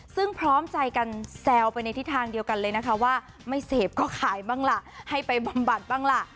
ซึ่งพร้อมใจกันแซวไปในทิศทางเดียวกันเลยนะคะว่าไม่เสพก็ขายบ้างล่ะให้ไปบำบัดบ้างล่ะ